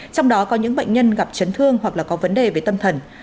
trong đó có những bệnh nhân gặp chấn thương hoặc là có vấn đề về tâm thần